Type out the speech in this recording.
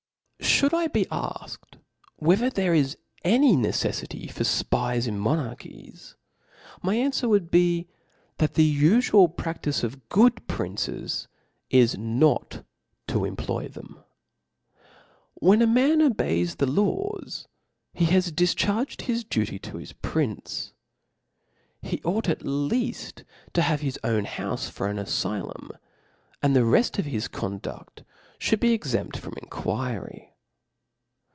SHOULD I be afked whether there is any neceflity fpr fpie?. in. monarchipi •, my anfycr would be, ^that the ul\ja}.pra^ice of good princes is not to epiploy them. > When a man obeys the laws,' he has difcharged his duty to his prince, He ought at leaft to have his own houfe for an afylum, ^nd the reft pf his conduft |hould be ^xempt from inquiry.